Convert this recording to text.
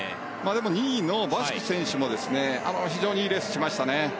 でも、２位のバシク選手も非常にいいレースをしましたね。